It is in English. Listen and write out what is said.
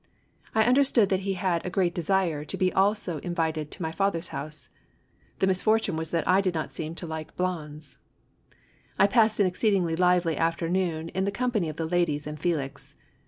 I understood that he had a great desire to be also in vited to my father's house. The misfortune Avas that I did not seem to like blondes. I passed an exceedingly lively afternoon in the com pany of the ladies and Felix.